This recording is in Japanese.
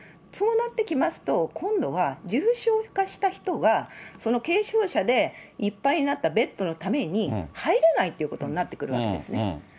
そうなってきますと、今度は、重症化した人がその軽症者でいっぱいになったベッドのために、入れないということになってくるわけですね。